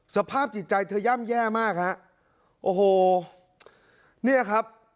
สภาพจิตใจเธอย่ำแย่มากฮะโอ้โหเนี่ยครับ